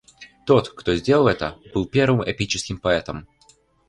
Тот, кто сделал это, был первым эпическим поэтом.